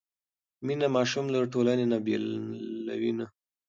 مینه ماشوم له ټولنې نه بېلوي نه.